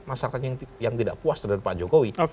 masyarakat yang tidak puas terhadap pak jokowi